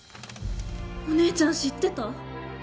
お姉ちゃん知ってた！？